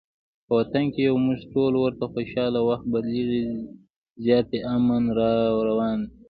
په وطن کې یو مونږ ټول ورته خوشحاله، وخت بدلیږي زیاتي امن راروان دی